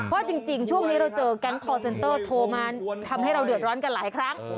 ว่าจริงช่วงนี้เราเจอแก๊งคอร์เซ็นเตอร์โทรมาทำให้เราเดือดร้อนกันหลายครั้ง